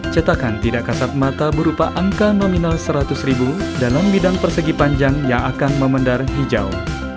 cetakan tidak kasat mata berupa angka nominal seratus ribu dalam bidang persegi panjang yang akan memendar hijau